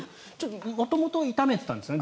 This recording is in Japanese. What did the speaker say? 元々、痛めてたんですよね